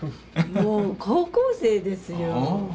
もう高校生ですよ。